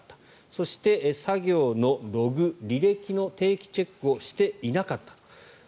そして、作業のログ、履歴の定期チェックをしていなかった。